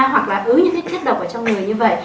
hoặc là cứ những cái chất độc ở trong người như vậy